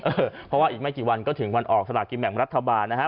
เพราะว่าอีกไม่กี่วันก็ถึงวันออกสลากินแบ่งรัฐบาลนะฮะ